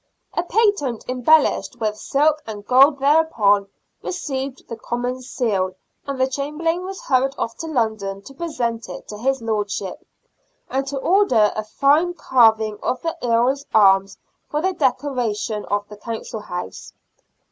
A patent embellished with silk and gold thereupon received the common seal, and the Chamberlain was hurried off to London to present it to his lordship, and to order a fine carving of the earl's arms for the decoration of the Council House.